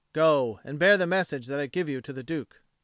Go and bear the message that I give you to the Duke."